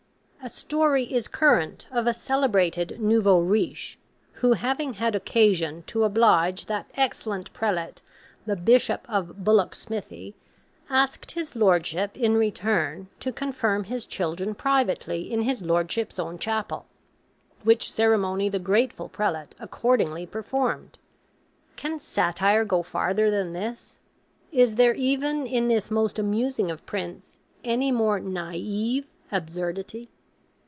A story is current of a celebrated NOUVEAU RICHE, who having had occasion to oblige that excellent prelate the Bishop of Bullocksmithy, asked his Lordship, in return, to confirm his children privately in his Lordship's own chapel; which ceremony the grateful prelate accordingly performed. Can satire go farther than this? Is there even in this most amusing of prints, any more NAIVE absurdity?